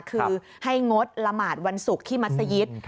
คือให้งดละหมาดวันศุกร์ที่มัศยิต